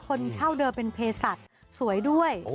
คนเช่าเดิมเป็นเพศัตริย์สวยด้วย